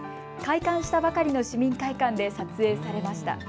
開館したばかりの市民会館で撮影されました。